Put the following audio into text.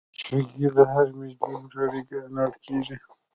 چوکۍ د هر مجلس غړی ګڼل کېږي.